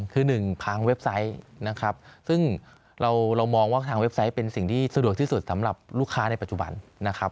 คือหนึ่งทางเว็บไซต์นะครับซึ่งเรามองว่าทางเว็บไซต์เป็นสิ่งที่สะดวกที่สุดสำหรับลูกค้าในปัจจุบันนะครับ